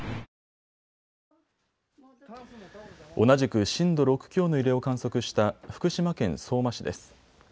同じく震度６強の揺れを観測した福島県相馬市です。